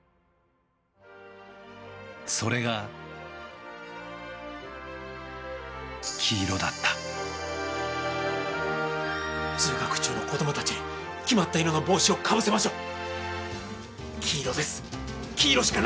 それが黄色だった通学中の子どもたちに決まった色の帽子をかぶせましょう！